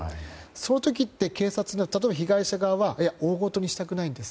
その時って例えば、被害者側は大ごとにしたくないです。